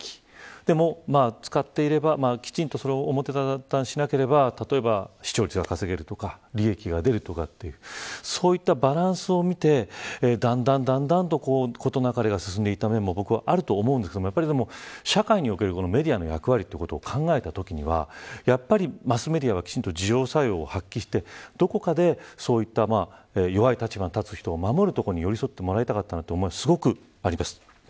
でも使っていればきちんと表沙汰にしなければ視聴率が稼げるとか利益が出るとかそういったバランスを見てだんだんだんだんとことなかれが進んでいった面もあると思うんですが社会におけるメディアの役割を考えたときにはマスメディアはきちんと自浄作用を発揮してどこかで弱い立場に立つ人を守ることに寄り添ってもらいたかったなというふうに思います。